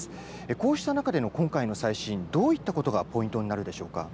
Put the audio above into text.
こうした中での今回の再審、どういったことがポイントになるでしょうか。